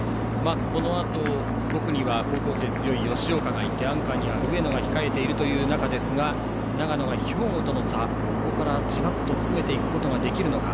このあと５区に高校生、強い吉岡がいてアンカーには上野が控えている中ですが長野、兵庫との差がここからじわっと詰めていけるか。